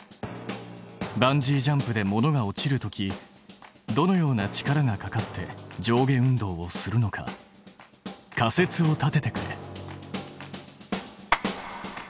バンジージャンプで物が落ちる時どのような力がかかって上下運動をするのか仮説を立ててくれ。